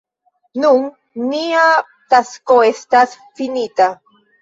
Nun nia tasko estas finita.